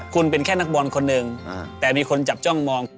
คุณเป็นแค่นักบอลคนหนึ่งแต่มีคนจับจ้องมอง